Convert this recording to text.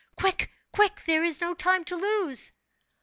Quick, quick, there is no time to lose!"